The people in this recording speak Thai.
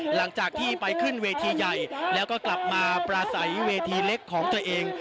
หลังจากที่ไปขึ้นเวทีใหญ่แล้วก็กลับมาปลาใสเวทีเล็กของตัวเอง